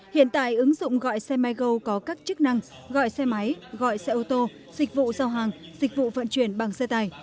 hiện tại ứng dụng gọi xe mygo có các chức năng gọi xe máy gọi xe ô tô dịch vụ giao hàng dịch vụ vận chuyển bằng xe tải